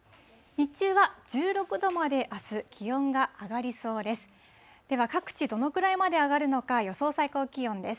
日中は１６度まで、あす、気温が上がりそうです。